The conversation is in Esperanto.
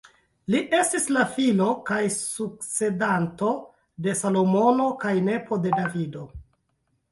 Li estis la filo kaj sukcedanto de Salomono kaj nepo de Davido.